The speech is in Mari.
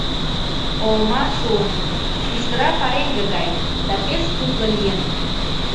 Олма шуын, шӱштыра пареҥге гай да пеш «тутло» лийын.